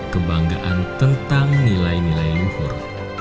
kebanggaan tentang nilai nilai luhur